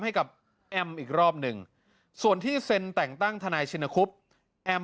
ให้กับแอมอีกรอบหนึ่งส่วนที่เซ็นแต่งตั้งทนายชินคุบแอม